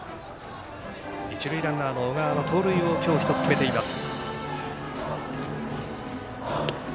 一塁ランナーの小川は盗塁を今日１つ決めています。